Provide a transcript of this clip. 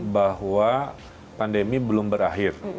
bahwa pandemi belum berakhir